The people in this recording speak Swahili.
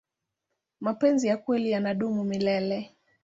mapenzi ya kweli yanadumu milele